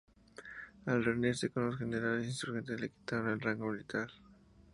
Al reunirse con los generales insurgentes le quitaron el rango militar.